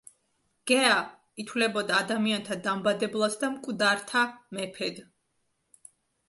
გეა ითვლებოდა ადამიანთა დამბადებლად და მკვდართა მეფედ.